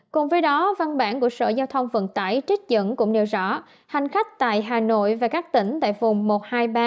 cùng với đó văn bản của sở giao thông vận tải trích dẫn cũng nêu rõ hành khách tại hà nội và các tỉnh tại vùng một trăm hai mươi ba đi và đến hà nội không phải test covid một mươi chín